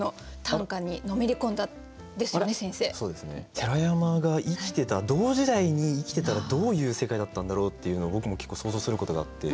寺山が生きてた同時代に生きてたらどういう世界だったんだろうっていうのは僕も結構想像することがあって。